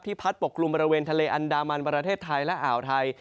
พัดปกกลุ่มบริเวณทะเลอันดามันประเทศไทยและอ่าวไทย